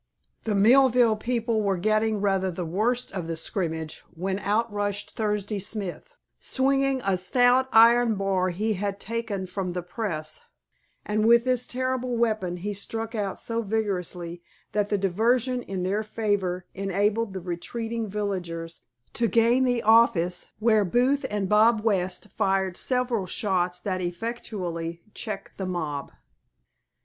The Millville people were getting rather the worst of the scrimmage when out rushed Thursday Smith, swinging a stout iron bar he had taken from the press, and with this terrible weapon he struck out so vigorously that the diversion in their favor enabled the retreating villagers to gain the office, where Booth and Bob West fired several shots that effectually checked the mob.